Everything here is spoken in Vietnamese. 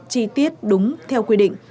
chi tiết đúng theo quy định